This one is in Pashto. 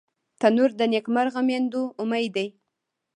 تنور د نیکمرغه میندو امید دی